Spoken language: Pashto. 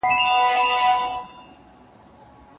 موږ دوه د آبديت په آشاره کې سره ناست وو